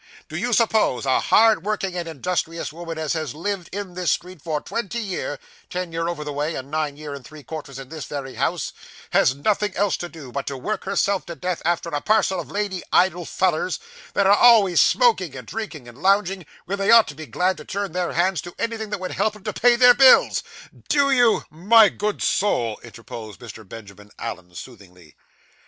Do you suppose a hard working and industrious woman as has lived in this street for twenty year (ten year over the way, and nine year and three quarters in this very house) has nothing else to do but to work herself to death after a parcel of lazy idle fellars, that are always smoking and drinking, and lounging, when they ought to be glad to turn their hands to anything that would help 'em to pay their bills? Do you ' 'My good soul,' interposed Mr. Benjamin Allen soothingly.